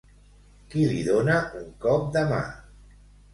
Qui li dona un cop de mà?